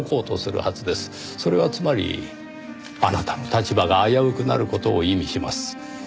それはつまりあなたの立場が危うくなる事を意味します。